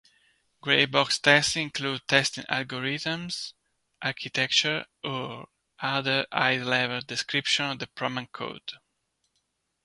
Grey-box testing includes testing algorithms, architectures, or other high-level descriptions of the program code.